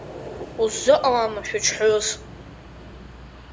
Усзыҟалама шәаџьҳәаҩыс?!